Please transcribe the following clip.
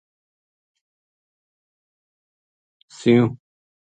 سیؤ